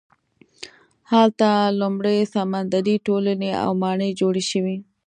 هلته لومړنۍ سمندري ټولنې او ماڼۍ جوړې شوې.